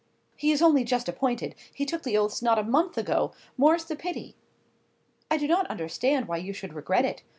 "He is only just appointed; he took the oaths not a month ago,—more's the pity!" "I do not understand why you should regret it.